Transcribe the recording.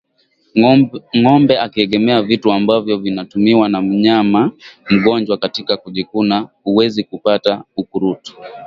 Ngombe akiegemea vitu ambavyo vimetumiwa na mnyama mgonjwa katika kujikuna huweza kupata ukurutu